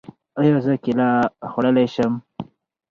ایا زه کیله خوړلی شم؟